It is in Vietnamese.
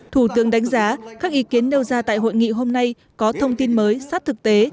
thủ tướng đánh giá các ý kiến nêu ra tại hội nghị hôm nay có thông tin mới sát thực tế